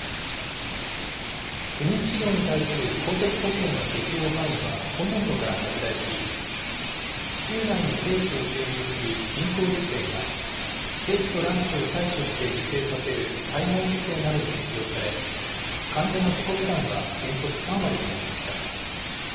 不妊治療に対する公的保険の適用範囲は今年度から拡大し、子宮内に精子を注入する人工授精や、精子と卵子を採取して受精させる体外受精などに適用され、患者の自己負担は原則３割となりました。